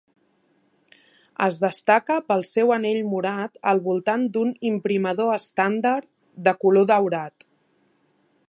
Es destaca pel seu anell morat al voltant d'un imprimador estàndard de color daurat.